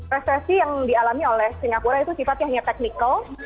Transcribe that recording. resesi yang dialami oleh singapura itu sifatnya hanya teknikal